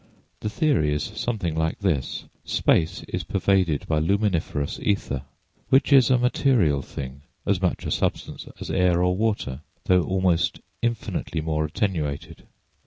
The theory is something like this: Space is pervaded by luminiferous ether, which is a material thing—as much a substance as air or water, though almost infinitely more attenuated.